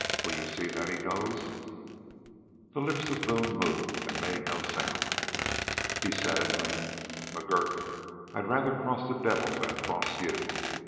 Will you see that he goes?" The lips of Boone moved and made no sound. He said at length: "McGurk, I'd rather cross the devil than cross you.